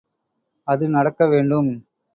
அது நடக்க வேண்டும்.